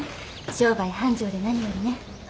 商売繁盛で何よりね。